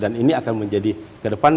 ini akan menjadi ke depan